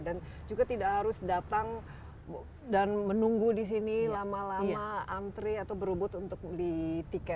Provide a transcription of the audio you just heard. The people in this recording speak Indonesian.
dan juga tidak harus datang dan menunggu disini lama lama antri atau berubut untuk beli tiket